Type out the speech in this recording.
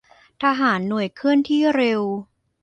ทหารหน่วยเคลื่อนที่เร็ว